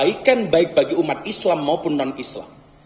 bagaimana kita bisa membuatnya lebih baik bagi umat islam maupun non islam